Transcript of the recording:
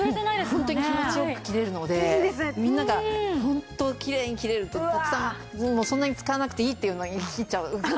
ホントに気持ち良く切れるのでみんながホントきれいに切れるってたくさんもうそんなに使わなくていいっていうのに切っちゃう感じですね。